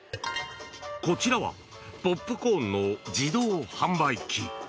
こちらはポップコーンの自動販売機。